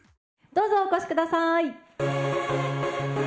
どうぞお越し下さい。